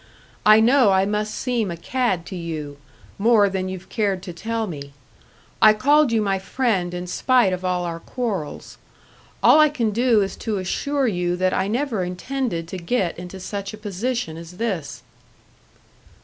I know I must seem a cad to you more than you've cared to tell me. I called you my friend in spite of all our quarrels. All I can do is to assure you that I never intended to get into such a position as this."